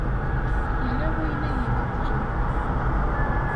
Yella wayen ay ibeddlen.